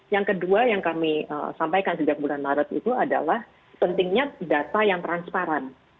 yang kedua yang kami sampaikan sejak bulan maret itu adalah pentingnya data yang transparan